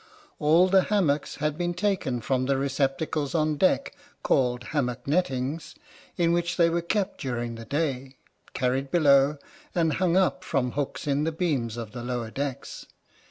All the hammocks had been taken from the receptacles on deck called hammock nettings in which they were kept during the day, carried below, and hung up from hooks in the beams of the lower decks.